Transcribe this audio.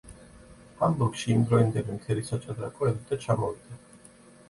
ჰამბურგში იმდროინდელი მთელი საჭადრაკო ელიტა ჩამოვიდა.